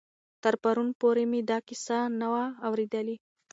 تر پرون پورې مې دا کیسه نه وه اورېدلې.